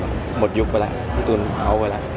หมดยุคไปแล้วพี่ตูนเอาไว้แล้ว